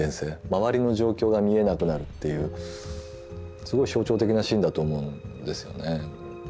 周りの状況が見えなくなるっていうすごい象徴的なシーンだと思うんですよね。